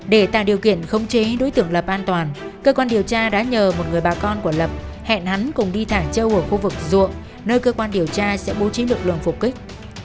để tạo điều kiện khống chế đối tượng lập an toàn cơ quan điều tra đã nhờ một người bà con của lập hẹn hắn cùng đi thẳng châu ở khu vực ruộng nơi cơ quan điều tra sẽ bố trí lực lượng phục kích